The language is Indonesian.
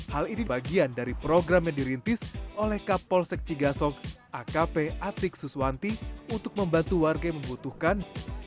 hal ini bagian dari program yang dirintis oleh kapolsek cigasok akp atik suswanti untuk membantu warga yang membutuhkan